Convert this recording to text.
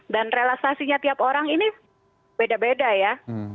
dan relaksasinya tiap orang ini beda beda ya